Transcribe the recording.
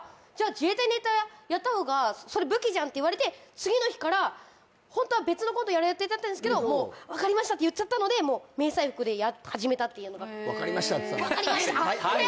自衛隊ネタやったほうがそれ武器じゃんって言われて次の日からホントは別のことやる予定だったんですけどって言っちゃったので迷彩服で始めたっていうのがわかりましたはい！